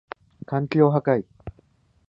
環境破壊